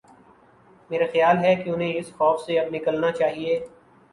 میرا خیال ہے کہ انہیں اس خوف سے اب نکلنا چاہیے۔